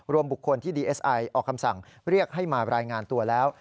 บุคคลที่ดีเอสไอออกคำสั่งเรียกให้มารายงานตัวแล้ว